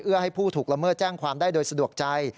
ให้ผู้ถูกละเมิดแจ้งความได้โดยสะดวกใจ